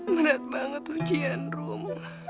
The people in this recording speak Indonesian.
menat banget ujian rum